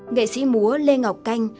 nghệ sĩ múa lê ngọc canh